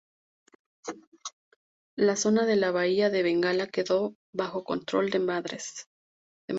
La zona de la bahía de Bengala quedó bajo control de Madrás.